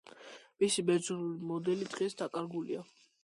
მისი ბერძნული მოდელი დღეს დაკარგულია.